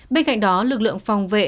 bên cạnh đó lực lượng phòng vệ